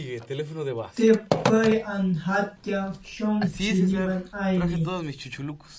Te pay an hatya sh'ong chiniman aini